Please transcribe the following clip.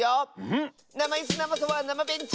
なまイスなまソファーなまベンチ！